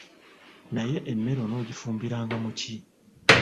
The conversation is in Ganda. Naye emmere onoogifumbiranga mu ki?